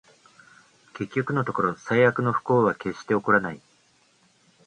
結局のところ、最悪の不幸は決して起こらない